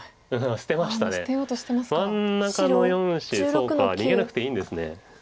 そうか逃げなくていいんですね。